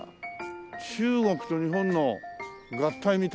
中国と日本の合体みたいな。